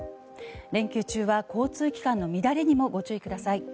連休中は交通機関の乱れにもご注意ください。